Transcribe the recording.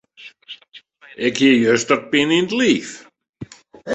Ik hie juster pine yn 't liif.